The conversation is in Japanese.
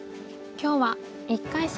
今日は１回戦